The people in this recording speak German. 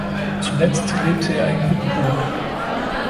Zuletzt lebte er in Bückeburg.